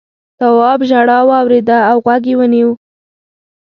تواب ژړا واورېده او غوږ یې ونيو.